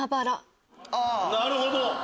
なるほど！